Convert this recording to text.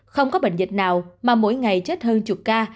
không có bệnh dịch nào mà mỗi ngày chết hơn chục ca